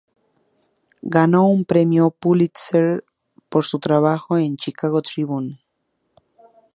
Ganó un premio Pulitzer por su trabajo en el "Chicago Tribune".